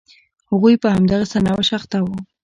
هغوی په همدغه سرنوشت اخته وو.